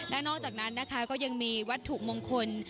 และนอกจากนั้นนะคะก็ยังมีวัตถุมงคล